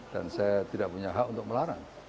dan saya tidak punya hak untuk melarang